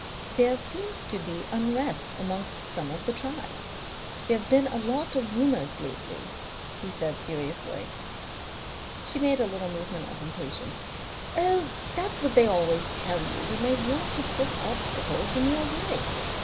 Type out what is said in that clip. "There seems to be unrest amongst some of the tribes. There have been a lot of rumours lately," he said seriously. She made a little movement of impatience. "Oh, that's what they always tell you when they want to put obstacles in your way.